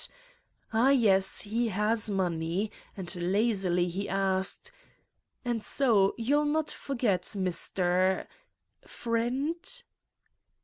Ah, yes, he has money. And lazily he asked: 1 'And so, you'll not forget, Mr. ... friend!"